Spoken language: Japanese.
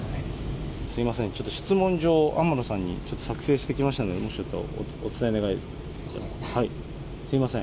すみません、ちょっと質問状を天野さんにちょっと作成してきましたので、もしよかったらお伝え願います。